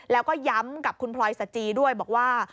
แล้วก็ย้ำกับคุณพลอยสจีด้วยบอกว่า